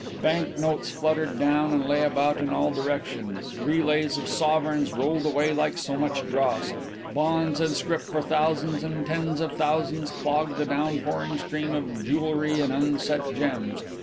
Bank notes fluttered down and lay about in all directions, relays of sovereigns rolled away like so much dross, bonds and scrip for thousands and tens of thousands clogged the downpouring stream of jewellery and unset gems.